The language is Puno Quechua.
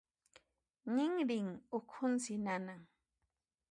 Ninrin ukhunsi nanan.